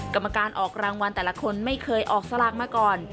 กรรมการออกรางวัลแต่ละคนไม่เคยออกสลากมาก่อน